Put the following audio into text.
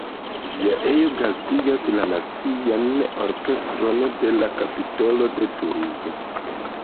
Ĝia ejo gastigas la Nacian orkestron de la Kapitolo de Tuluzo.